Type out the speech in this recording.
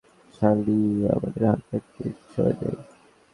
সালি, আমাদের হাতে এক মিনিট সময় নেই!